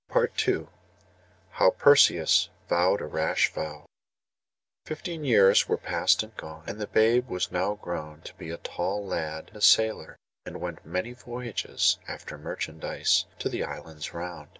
PART II HOW PERSEUS VOWED A RASH VOW Fifteen years were past and gone, and the babe was now grown to be a tall lad and a sailor, and went many voyages after merchandise to the islands round.